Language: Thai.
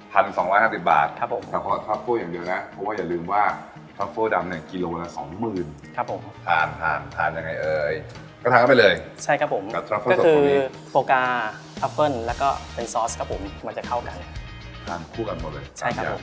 ๑๒๕๐บาทครับผมแต่พอทรัฟเฟิลอย่างเดียวนะเพราะว่าอย่าลืมว่าทรัฟเฟิลดำเนี่ยกิโลละสองหมื่นครับผมทานทานทานยังไงเอ๋ยก็ทานเข้าไปเลยใช่ครับผมก็คือโฟกาทรัฟเฟิลแล้วก็เป็นซอสครับผมมันจะเข้ากันทานคู่กันมาก่อนใช่ครับผม